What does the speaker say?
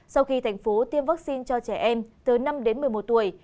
sau khi thành phố tiêm vaccine cho trẻ em từ năm đến một mươi một tuổi